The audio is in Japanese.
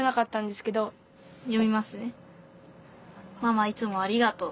「ママいつもありがとう。